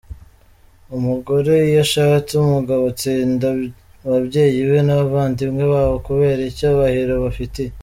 Umugore iyo ashatse umugabo atsinda ababyeyi be n’abavandimwe babo kubera icyubahiro abafitiye.